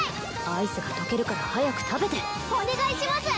アイスが溶けるから早く食べてお願いします